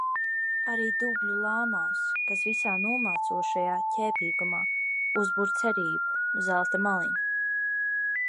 Arī dubļu lāmās, kas visā nomācošajā ķēpīgumā uzbur cerību «zelta maliņu».